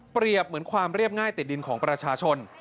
เหมือนความเรียบง่ายติดดินของประชาชน